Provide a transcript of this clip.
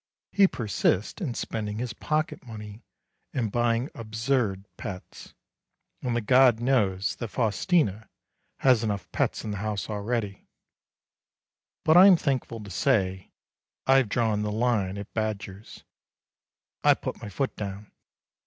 He persists in spending his pocket money in buying absurd pets and the gods know that Faustina has enough pets in the house already. But I am thankful to say I have drawn the line at badgers. I put my foot down.